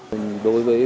đối với phụ huynh